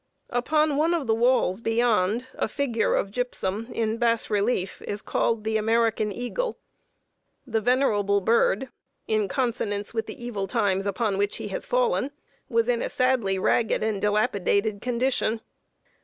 Upon one of the walls beyond, a figure of gypsum, in bass relief, is called the American Eagle. The venerable bird, in consonance with the evil times upon which he had fallen, was in a sadly ragged and dilapidated condition.